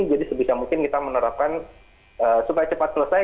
jadi sebisa mungkin kita menerapkan supaya cepat selesai